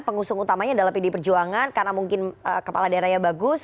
pengusung utamanya adalah pdi perjuangan karena mungkin kepala daerahnya bagus